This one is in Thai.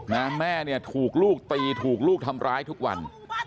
แม่เนี่ยถูกลูกตีถูกลูกทำร้ายทุกวัน